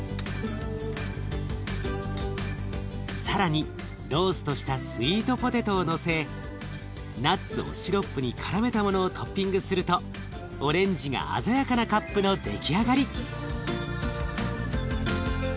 更にローストしたスイートポテトをのせナッツをシロップにからめたものをトッピングするとオレンジが鮮やかなカップの出来上がり。